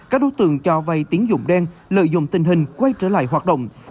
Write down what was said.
các đối tượng cho vây tiếng dụng đen lợi dụng tình hình quay trở lại hoạt động